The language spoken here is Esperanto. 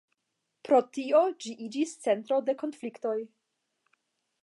Pro tio ĝi iĝis centro de konfliktoj.